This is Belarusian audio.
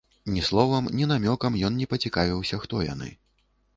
Ні словам, ні намёкам ён не пацікавіўся, хто яны.